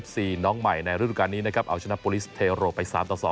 น้องใหม่ในฤดูการนี้นะครับเอาชนะโปรลิสเทโรไปสามต่อสอง